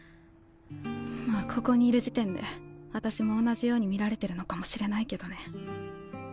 まあここにいる時点で私も同じように見られてるのかもしれないけどね。